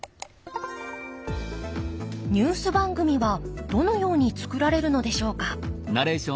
ニュース番組はどのように作られるのでしょうか。